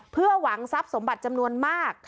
เพื่อหวังทรัพย์สมบัติจำนวนมาก